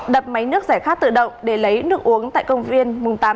đập máy nước giải khát tự động để lấy nước uống tại công viên